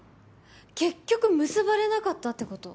結局結ばれなかったってこと？